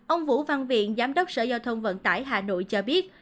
ông vũ văn viện giám đốc sở giao thông vận tải hà nội cho biết